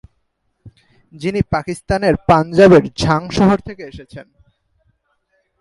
যিনি পাকিস্তানের পাঞ্জাবের ঝাং শহর থেকে এসেছেন।